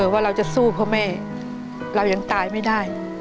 ว่าเราจะสู้เพราะแม่เรายังตายไม่ได้